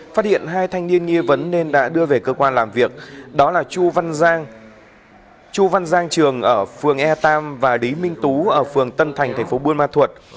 phát hiện hai thanh niên nghi vấn nên đã đưa về cơ quan làm việc đó là chu văn giang trường ở phường e ba và đí minh tú ở phường tân thành tp buôn ma thuột